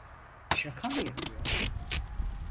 Şaka mı yapıyor?